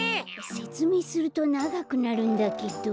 せつめいするとながくなるんだけど。